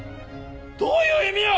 どういう意味よ！？